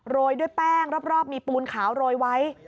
ยด้วยแป้งรอบมีปูนขาวโรยไว้